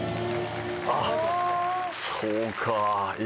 あっそうか。